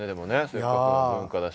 せっかくの文化だし。